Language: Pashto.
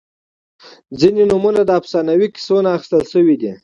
• ځینې نومونه د افسانوي کیسو نه اخیستل شوي دي.